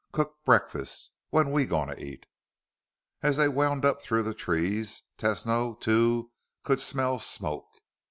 "Cook breakfast. When we gonna eat?" As they wound up through the trees, Tesno, too, could smell smoke.